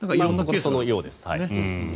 そのようですね。